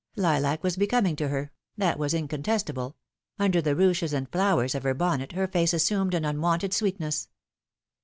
Lilac was becoming to her, that was incontestable ; under the ruches and flowers of her bonnet her face assumed an unwonted sweetness.